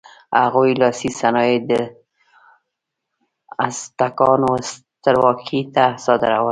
هغوی لاسي صنایع د ازتکانو سترواکۍ ته صادرول.